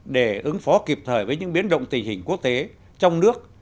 để ứng phó kịp thời với những biến động tình hình quốc tế trong nước